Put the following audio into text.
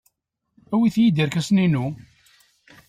Awyet-iyi-d irkasen-inu!